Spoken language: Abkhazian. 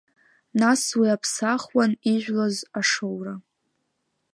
Нас уи аԥсахуан ижәлоз ашоура.